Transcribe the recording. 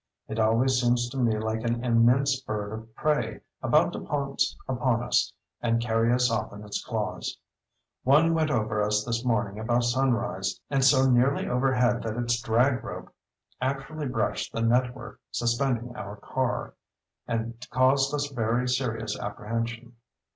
It always seems to me like an immense bird of prey about to pounce upon us and carry us off in its claws. One went over us this morning about sunrise, and so nearly overhead that its drag rope actually brushed the network suspending our car, and caused us very serious apprehension.